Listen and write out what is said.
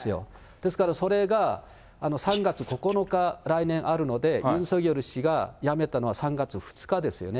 ですから、それが３月９日、来年あるので、ユン・ソギョル氏が辞めたのは３月２日ですよね。